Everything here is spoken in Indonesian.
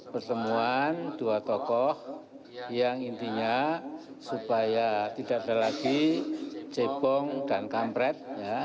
pertemuan dua tokoh yang intinya supaya tidak ada lagi cebong dan kampret